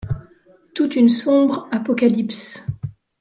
Toute une sombre apocalypse